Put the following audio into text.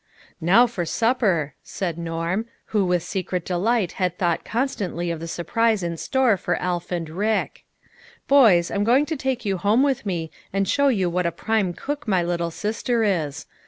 "Now for supper," said Norm, who with se cret delight had thought constantly of the sur prise in store for Alf and Rick. "Boys, I'm going to take you home with me and show you what a prime cook my little sister is.